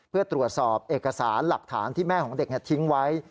เพื่อตรวจสอบเอกสารหลักฐานที่แม่ของเด็กทิ้งไว้